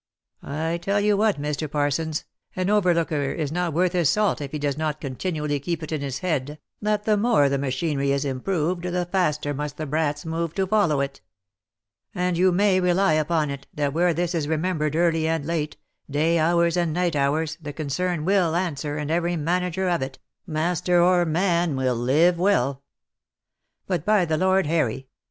I tell you what, Mr. Parsons, an overlooker is not worth his salt if he does not continually keep it in his head, that the more the machinery is improved the faster must the brats move to follow it. And you may rely upon it that where this is remembered early and late, day hours and night hours, the concern will answer, and every manager of it, master or man, will live well. But, by the Lord Harry !